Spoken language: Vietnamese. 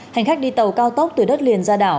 hành khách đi tàu cao tốc từ đất liền ra đảo